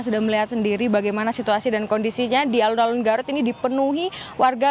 sudah melihat sendiri bagaimana situasi dan kondisinya di alun alun garut ini dipenuhi warga